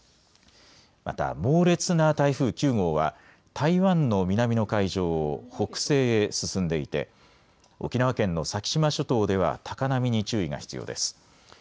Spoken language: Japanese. また猛烈な台風９号は台湾の南の海上を北西へ進んでいて、沖縄県の先島諸島では高波に注意が必要です。